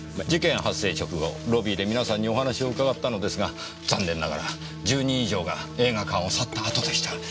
事件発生直後ロビーで皆さんにお話を伺ったのですが残念ながら１０人以上が映画館を去った後でした。